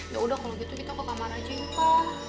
ya udah kalau gitu kita ke kamar aja ya pa